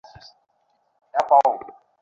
এ ঘটনা বেশি দিনের নয়।